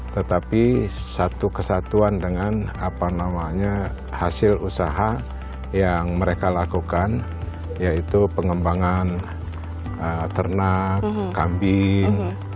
tetapi satu kesatuan dengan hasil usaha yang mereka lakukan yaitu pengembangan ternak kambing